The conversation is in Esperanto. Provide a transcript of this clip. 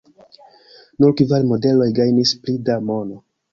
Nur kvar modeloj gajnis pli da mono.